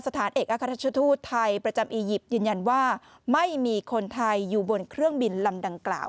สถานเอกอัครราชทูตไทยประจำอียิปต์ยืนยันว่าไม่มีคนไทยอยู่บนเครื่องบินลำดังกล่าว